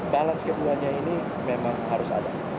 balance keduanya ini memang harus ada